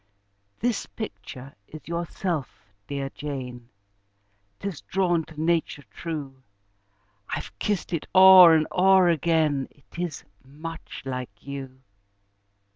"This picture is yourself, dear Jane 'Tis drawn to nature true: I've kissed it o'er and o'er again, It is much like you."